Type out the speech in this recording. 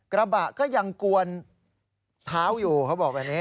กระบะก็ยังกวนเท้าอยู่เขาบอกแบบนี้